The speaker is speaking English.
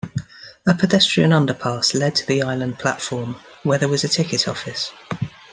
A pedestrian underpass led to the island platform, where there was a ticket office.